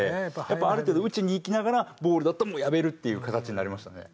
ある程度打ちにいきながらボールだったらやめるっていう形になりましたね。